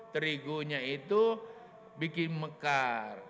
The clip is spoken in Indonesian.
terigunya itu bikin mekar